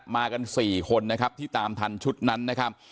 มากัน๔คนนะครับที่ตามทันชุดนั้นนะครับ